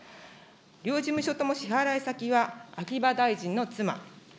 両事務所とも支払い先は秋葉大臣の妻。